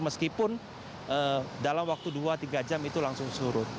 meskipun dalam waktu dua tiga jam itu langsung surut